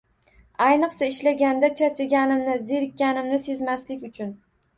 Ayniqsa, ishlaganda. Charchaganimni, zerikkanimni sezmaslik uchun.